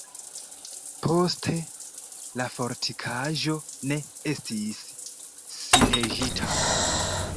Poste la fortikaĵo ne estis sieĝita.